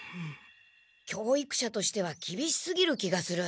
教育者としてはきびしすぎる気がする。